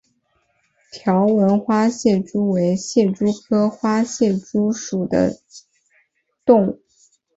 条纹花蟹蛛为蟹蛛科花蟹蛛属的动物。